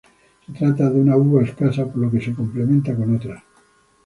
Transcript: Se trata de una uva escasa, por lo que se complementa con otras.